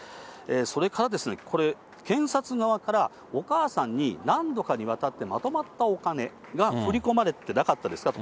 それからですね、これ、検察側からお母さんに、何度かにわたってまとまったお金が振り込まれてなかったですかと。